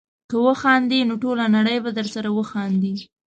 که وخاندې نو ټوله نړۍ به درسره وخاندي.